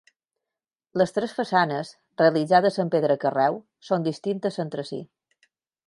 Les tres façanes, realitzades en pedra carreu, són distintes entre si.